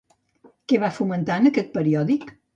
Què va fomentar en aquest periòdic?